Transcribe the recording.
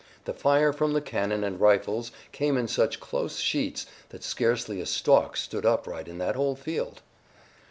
The fire from the cannon and rifles came in such close sheets that scarcely a stalk stood upright in that whole field.